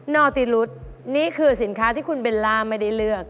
อติรุธนี่คือสินค้าที่คุณเบลล่าไม่ได้เลือก